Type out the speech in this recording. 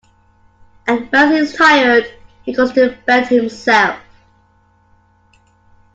And when he's tired he goes to bed himself.